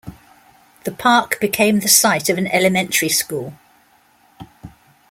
The park became the site of an elementary school.